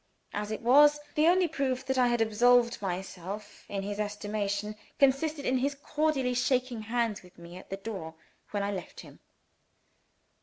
As it was, the only proof that I had absolved myself in his estimation consisted in his cordially shaking hands with me at the door, when I left him.